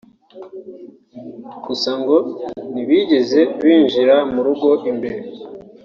gusa ngo ntibigeze binjira mu rugo imbere